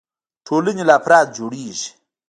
ټولنې له افرادو جوړيږي.